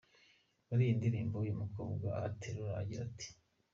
Muri iyi ndirimbo, uyu mukobwa aterura agira ati:.